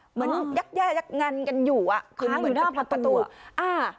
เหมือนยักษ์แย่ยักษ์งันกันอยู่คือเหมือนประตู